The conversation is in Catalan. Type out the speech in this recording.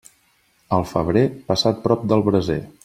El febrer, passat prop del braser.